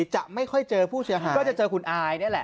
จะไม่ค่อยเจอผู้เสียหายก็จะเจอคุณอายนี่แหละ